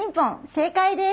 正解です！